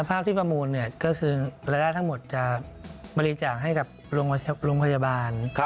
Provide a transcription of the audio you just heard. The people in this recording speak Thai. ภาพที่ประมูลก็คือรายได้ทั้งหมดจะบริจาคให้กับโรงพยาบาล